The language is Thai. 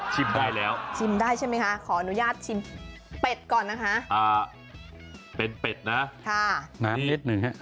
ได้แล้วชิมได้ใช่ไหมคะขออนุญาตชิมเป็ดก่อนนะคะเป็นเป็ดนะนานนิดหนึ่งฮะ